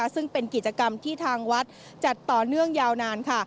ซึ่งเป็นกิจกรรมที่ทางวัดจัดต่อเนื่องยาวนานค่ะ